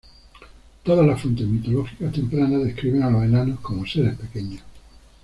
Todas las fuentes mitológicas tempranas describen a los enanos como seres pequeños.